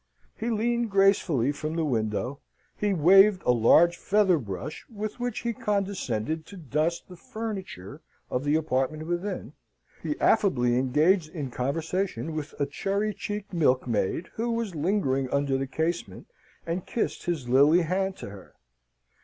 He leaned gracefully from the window; he waved a large feather brush, with which he condescended to dust the furniture of the apartment within; he affably engaged in conversation with a cherry cheeked milkmaid, who was lingering under the casement, and kissed his lily hand to her.